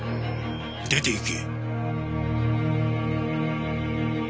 出て行け。